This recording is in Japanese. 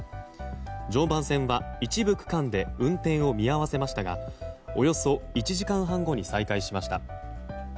常磐線は一部区間で運転を見合わせましたがおよそ１時間半後に再開しました。